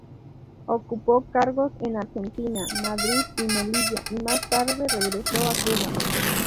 Ocupó cargos en Argentina, Madrid y Melilla, y más tarde regresó a Cuba.